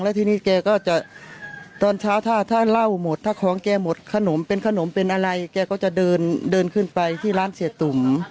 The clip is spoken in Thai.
ทีนี้แกก็จะตอนเช้าถ้าถ้าเหล้าหมดถ้าของแกหมดขนมเป็นขนมเป็นอะไรแกก็จะเดินเดินขึ้นไปที่ร้านเสียตุ๋ม